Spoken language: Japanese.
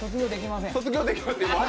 卒業できません。